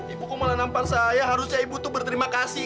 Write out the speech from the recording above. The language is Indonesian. ibuku malah nampar saya harusnya ibu tuh berterima kasih